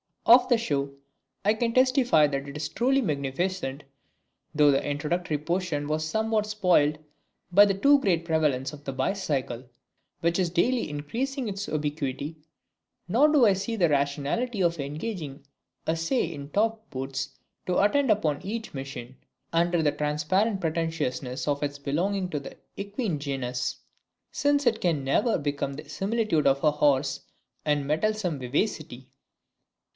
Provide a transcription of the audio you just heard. Of the show, I can testify that it was truly magnificent, though the introductory portion was somewhat spoilt by the too great prevalence of the bicycle, which is daily increasing its ubiquity, nor do I see the rationality of engaging a sais in topped boots to attend upon each machine, under the transparent pretentiousness of its belonging to the equine genus, since it can never become the similitude of a horse in mettlesome vivacity.